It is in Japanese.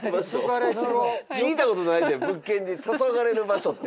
聞いた事ないで物件で「たそがれる場所」って。